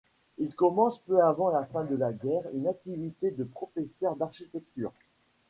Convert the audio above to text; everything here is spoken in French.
Il commence peu avant la fin de la guerre une activité de professeur d'architecture.